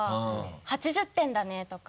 ８０点だねとか。